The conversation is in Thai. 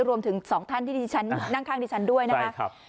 รวมถึงสองท่านที่ดีฉันนั่งข้างดีฉันด้วยนะครับ